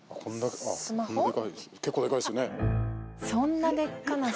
結構でかいですよね。